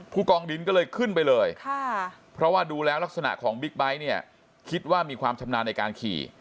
กองดินก็เลยขึ้นไปเลยเพราะว่าดูแล้วลักษณะของบิ๊กไบท์เนี่ยคิดว่ามีความชำนาญในการขี่